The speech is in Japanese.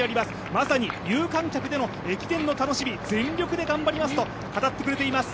まさに有観客での駅伝の楽しみ、全力で頑張りますと語ってくれています。